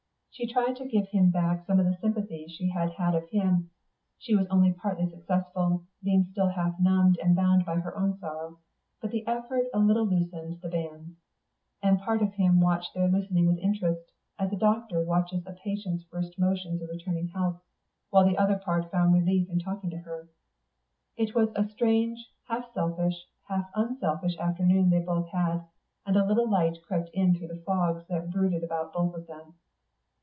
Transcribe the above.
She tried to give him back some of the sympathy she had had of him; she was only partly successful, being still half numbed and bound by her own sorrow; but the effort a little loosened the bands. And part of him watched their loosening with interest, as a doctor watches a patient's first motions of returning health, while the other part found relief in talking to her. It was a strange, half selfish, half unselfish afternoon they both had, and a little light crept in through the fogs that brooded about both of them.